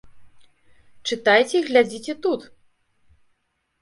Чытайце і глядзіце тут!